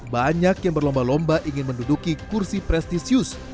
banyak yang berlomba lomba ingin menduduki kursi prestisius